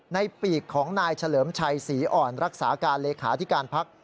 ปีกของนายเฉลิมชัยศรีอ่อนรักษาการเลขาธิการพัก